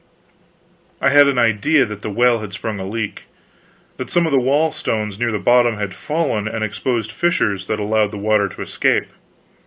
I had an idea that the well had sprung a leak; that some of the wall stones near the bottom had fallen and exposed fissures that allowed the water to escape.